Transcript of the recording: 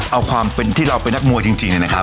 เอาความที่เราเป็นนักมวยจริงนะครับ